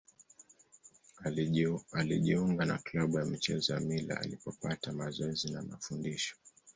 Alijiunga na klabu ya michezo ya Mila alipopata mazoezi na mafundisho.